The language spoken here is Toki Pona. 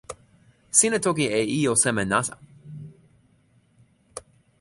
sina toki e ijo seme nasa?